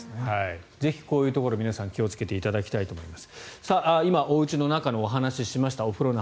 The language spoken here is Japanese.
ぜひこういうところ皆さん気をつけていただきたいと思います。